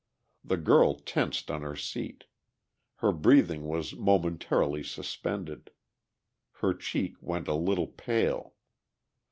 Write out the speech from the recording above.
The girl tensed on her seat; her breathing was momentarily suspended; her cheek went a little pale.